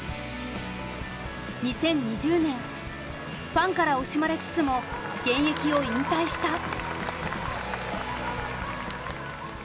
２０２０年ファンから惜しまれつつも現役を引退した。